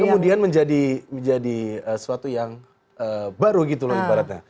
kemudian menjadi menjadi suatu yang baru gitu loh ibaratnya